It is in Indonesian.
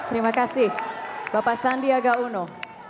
terima kasih bapak sandiaga uno